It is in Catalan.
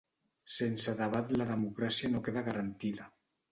Sense debat la democràcia no queda garantida